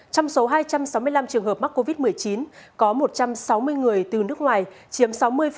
trong số hai trăm sáu mươi năm trường hợp mắc covid một mươi chín có một trăm sáu mươi người từ nước ngoài chiếm sáu mươi